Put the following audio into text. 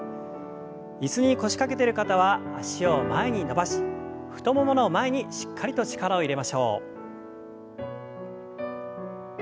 椅子に腰掛けてる方は脚を前に伸ばし太ももの前にしっかりと力を入れましょう。